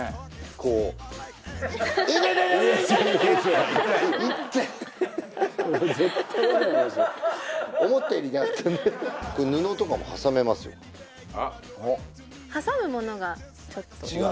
こうこれ布とかも挟めますよ違う？